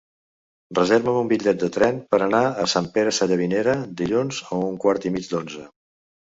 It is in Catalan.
Reserva'm un bitllet de tren per anar a Sant Pere Sallavinera dilluns a un quart i mig d'onze.